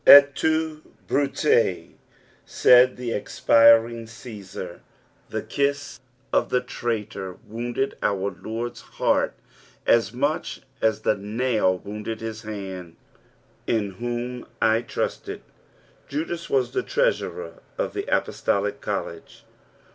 " Et tu Bratef" said the expiring C«sar. The kiss of the traitor wounded our Lord's heart as much as the nail wounded his hand. " In whom I Iriuted.'" Judas was the treasurer of the apostolic college.